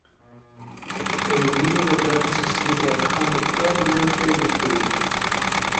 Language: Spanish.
El unido de la plata se sigue trabajando actualmente en el Perú